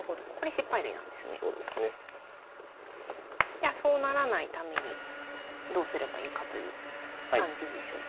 じゃあそうならないためにどうすればいいかという感じでしょうか。